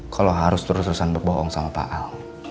kalau harus terus terusan berbohong sama pak al